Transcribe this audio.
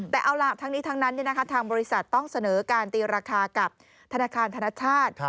แต่เอาล่ะทั้งนี้ทั้งนั้นทางบริษัทต้องเสนอการตีราคากับธนาคารธนชาติ